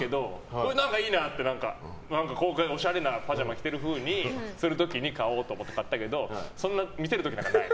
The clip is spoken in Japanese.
これ、いいなっておしゃれなパジャマを着てるふうにする時に買おうと思って買ったけど見せる時なんかない。